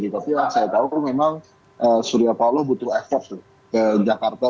tapi yang saya tahu memang surya paloh butuh effort ke jakarta